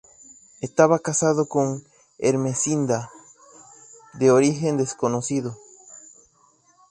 Estaba casado con Ermesinda, de origen desconocido.